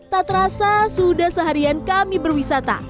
tak terasa sudah seharian kami berwisata